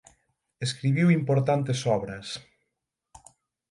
Escribiu importantes obras.